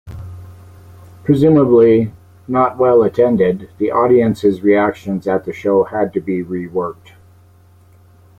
Presumably not well attended, the audience's reactions at the show had to be reworked.